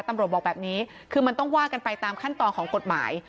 บอกแบบนี้คือมันต้องว่ากันไปตามขั้นตอนของกฎหมาย